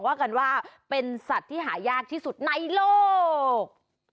ว่ากันว่าเป็นสัตว์ที่หายากที่สุดในโลก